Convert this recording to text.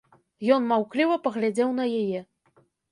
Ён маўкліва паглядзеў на яе.